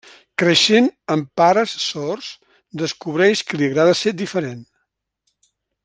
Creixent amb pares sords, descobreix que li agrada ser diferent.